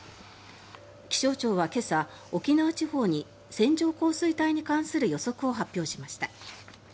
気象庁は今朝、沖縄地方に線状降水帯に関する予測を発表しました。